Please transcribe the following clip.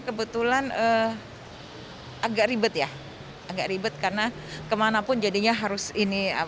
sebenarnya kebetulan agak ribet ya agak ribet karena kemana pun jadinya harus ini